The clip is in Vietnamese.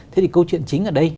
thế thì câu chuyện chính ở đây